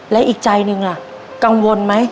และอีกใจหนึ่งกังวลไหม